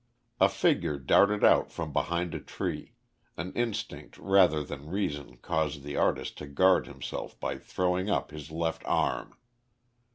A figure darted out from behind a tree, an instinct rather than reason caused the artist to guard himself by throwing up his left arm.